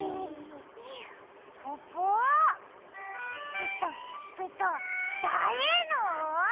ペタペタだれの？